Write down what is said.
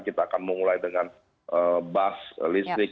kita akan mulai dengan bus listrik